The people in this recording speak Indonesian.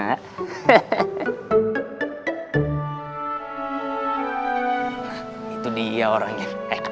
nah itu dia orangnya